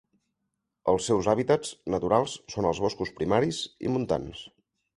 Els seus hàbitats naturals són els boscos primaris i montans.